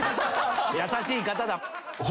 優しい方だ。